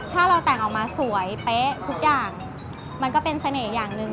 ถ้าเราแต่งออกมาสวยเป๊ะทุกอย่างมันก็เป็นเสน่ห์อย่างหนึ่ง